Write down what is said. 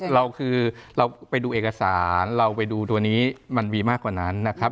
เราคือเราไปดูเอกสารเราไปดูตัวนี้มันมีมากกว่านั้นนะครับ